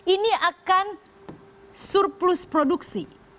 ini akan surplus produksi